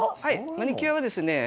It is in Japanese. マニキュアはですね